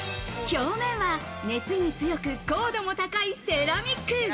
表面は、熱に強く硬度も高いセラミック。